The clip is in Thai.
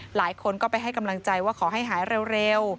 หลายคนก็ไปให้กำลังใจว่าขอให้หายเร็ว